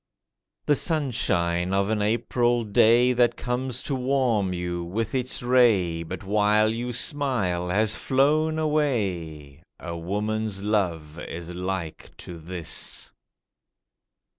The sunshine of an April day That comes to warm you with its ray, But while you smile has flown away— A woman's love is like to this.